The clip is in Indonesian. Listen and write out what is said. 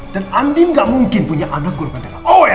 dan andi gak mungkin punya anak golongan darah o ya elsa